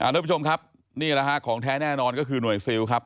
ทุกผู้ชมครับนี่แหละฮะของแท้แน่นอนก็คือหน่วยซิลครับ